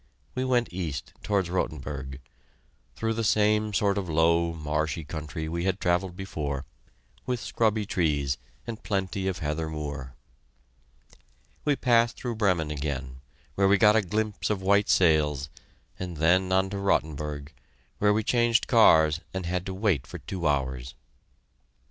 We went east towards Rotenburg, through the same sort of low, marshy country we had travelled before, with scrubby trees and plenty of heather moor. We passed through Bremen again, where we got a glimpse of white sails, and then on to Rotenburg, where we changed cars and had to wait for two hours.